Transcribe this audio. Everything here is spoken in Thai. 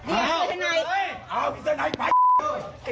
อ้าวเสื้อไหนไป